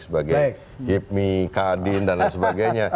sebagai hipmi kadin dan lain sebagainya